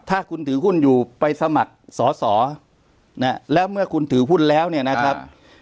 ถ้าคุณถือหุ้นอยู่ไปสมัครสอสอแล้วเมื่อคุณถือหุ้นแล้วเนี่ยนะครับ